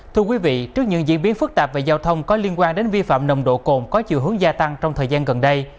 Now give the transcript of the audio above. thưa quý vị trước những diễn biến phức tạp về giao thông có liên quan đến vi phạm nồng độ cồn có chiều hướng gia tăng trong thời gian gần đây